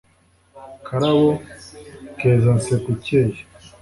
karabo kezanseko ikeye